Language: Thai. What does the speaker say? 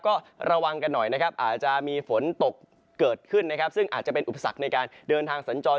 ก็ระวังกันหน่อยนะครับอาจจะมีฝนตกเกิดขึ้นนะครับซึ่งอาจจะเป็นอุปสรรคในการเดินทางสัญจร